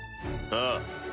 ああ。